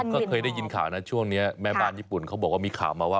ก็เคยได้ยินข่าวนะช่วงนี้แม่บ้านญี่ปุ่นเขาบอกว่ามีข่าวมาว่า